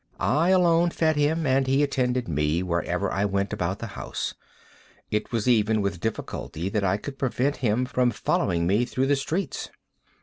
I alone fed him, and he attended me wherever I went about the house. It was even with difficulty that I could prevent him from following me through the streets.